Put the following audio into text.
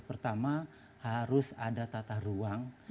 pertama harus ada tata ruang